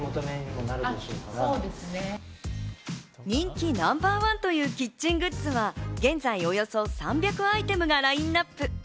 人気ナンバーワンというキッチングッズは、現在およそ３００アイテムがラインナップ。